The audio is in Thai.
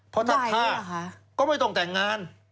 เพราะถ้าฆ่าก็ไม่ต้องแต่งงาน